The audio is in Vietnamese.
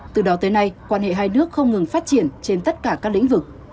từ đó tới nay quan hệ hai nước không ngừng phát triển trên tất cả các lĩnh vực